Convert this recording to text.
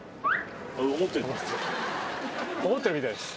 思ってるみたいです。